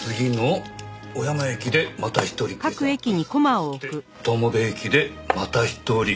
そして友部駅でまた１人。